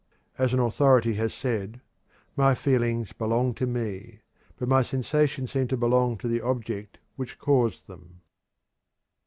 As an authority has said: "My feelings belong to me; but my sensations seem to belong to the object which caused them."